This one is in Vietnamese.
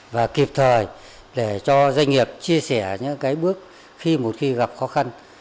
và kịp thời để cho doanh nghiệp chia sẻ những bước khi một khi gặp khó khăn